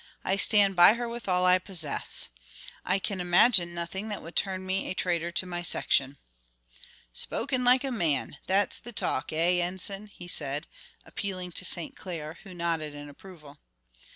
I stand by her with all I possess. I can imagine nothing that would turn me a traitor to my section." "Spoken like a man. That's the talk, eh, Enson?" he said, appealing to St. Clair, who nodded in approval.